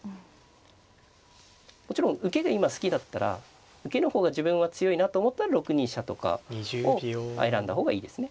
もちろん受けが今好きだったら受けの方が自分は強いなと思ったら６二飛車とかを選んだ方がいいですね。